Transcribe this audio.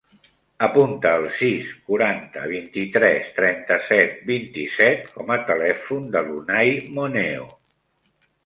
Apunta el sis, quaranta, vint-i-tres, trenta-set, vint-i-set com a telèfon de l'Unay Moneo.